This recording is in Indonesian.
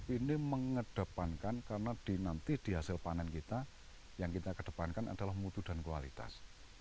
ini mengedepankan karena nanti di hasil panen kita yang kita kedepankan adalah mutu dan kualitas